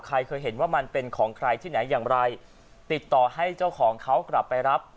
ใครเคยเห็นว่ามันเป็นของใครที่ไหนอย่างไรติดต่อให้เจ้าของเขากลับไปรับ